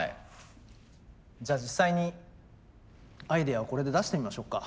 じゃあ実際にアイデアをこれで出してみましょうか。